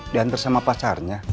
diantar sama pacarnya